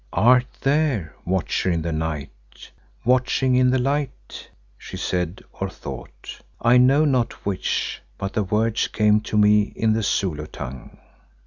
"Art there, Watcher in the Night, watching in the light?" she said or thought, I know not which, but the words came to me in the Zulu tongue.